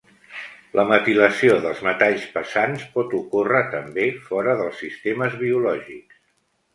La metilació dels metalls pesants pot ocórrer també fora dels sistemes biològics.